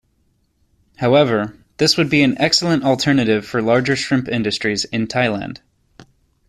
However, this would be an excellent alternative for larger shrimp industries in Thailand.